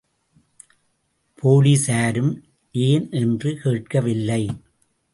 போலீசாரும் ஏன் என்று கேட்கவில்லை.